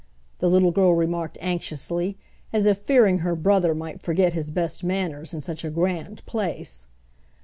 the little girl remarked anxiously, as if fearing her brother might forget his best manners in such a grand place.